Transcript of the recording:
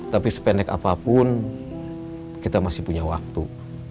tapi sepenek apapun kita masih punya waktu